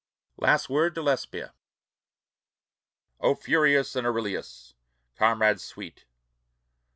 LAST WORD TO LESBIA O Furius and Aurelius! comrades sweet!